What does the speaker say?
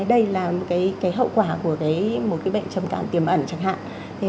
đây là một cái hậu quả của một cái bệnh trầm cảm tiềm ẩn chẳng hạn